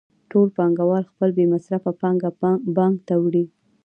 ټول پانګوال خپله بې مصرفه پانګه بانک ته وړي